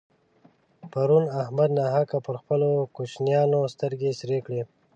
پرون احمد ناحقه پر خپلو کوشنيانو سترګې سرې کړې.